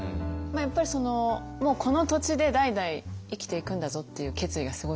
やっぱりそのもうこの土地で代々生きていくんだぞっていう決意がすごいんですよねきっと。